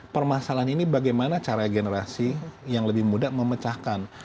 permasalahan ini bagaimana cara generasi yang lebih muda memecahkan